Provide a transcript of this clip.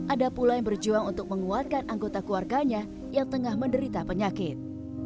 ada pula yang berjuang untuk menguatkan anggota keluarganya yang tengah menderita penyakit